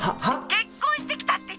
☎結婚してきたって言ってますよ！